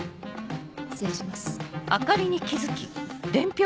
失礼します。